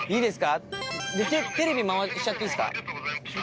テレビ回しちゃっていいですか？